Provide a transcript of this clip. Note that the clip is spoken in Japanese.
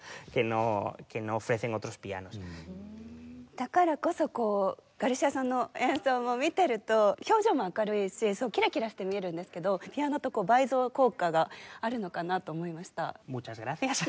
だからこそこうガルシアさんの演奏を見てると表情も明るいしキラキラして見えるんですけどピアノと倍増効果があるのかなと思いました。